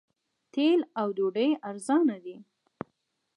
تیل او ډوډۍ ارزانه دي.